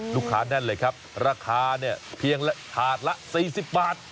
ลูกค้านั่นเลยครับราคาเพียงถาดละ๔๐บาท